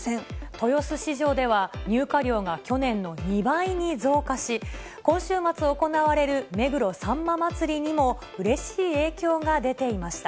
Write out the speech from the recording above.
豊洲市場では、入荷量が去年の２倍に増加し、今週末行われる目黒さんま祭にも、うれしい影響が出ていました。